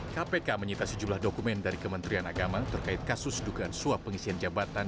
kpk menyita sejumlah dokumen dari kementerian agama terkait kasus dugaan suap pengisian jabatan